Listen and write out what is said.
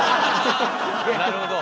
なるほど。